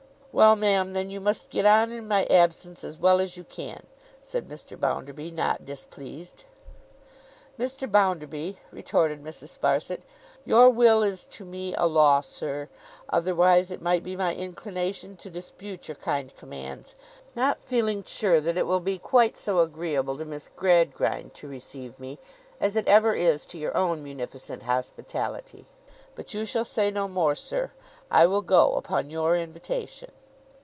'Well, ma'am, then you must get on in my absence as well as you can,' said Mr. Bounderby, not displeased. 'Mr. Bounderby,' retorted Mrs. Sparsit, 'your will is to me a law, sir; otherwise, it might be my inclination to dispute your kind commands, not feeling sure that it will be quite so agreeable to Miss Gradgrind to receive me, as it ever is to your own munificent hospitality. But you shall say no more, sir. I will go, upon your invitation.